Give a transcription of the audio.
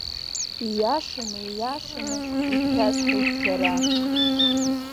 Ииашаны, ииашаны ишәасҳәоит шәара…